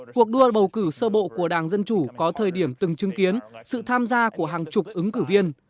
cuộc đua bầu cử sơ bộ của đảng dân chủ có thời điểm từng chứng kiến sự tham gia của hàng chục ứng cử viên